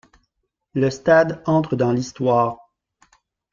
Le stade entre dans l’histoire.